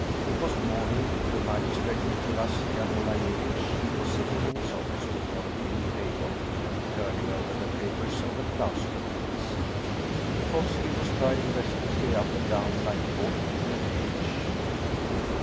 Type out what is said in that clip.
It was morning. The magistrate Nicholas Yermolai yevitch was sitting in his office before a green table, turn ing over the papers of the " Klausoff case "; Dukovski was striding restlessly up and down, like a wolf in a cage.